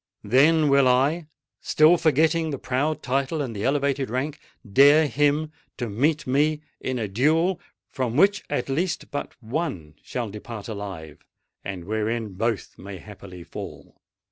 Then will I—still forgetting the proud title and the elevated rank—dare him to meet me in a duel, from which at least but one shall depart alive, and wherein both may haply fall!